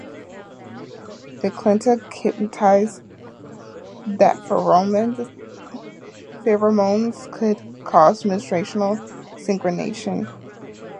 McClintock hypothesized that pheromones could cause menstrual cycle synchronization.